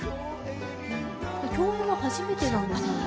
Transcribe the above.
共演は初めてなんですよね？